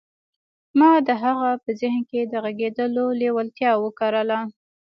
ما د هغه په ذهن کې د غږېدلو لېوالتیا وکرله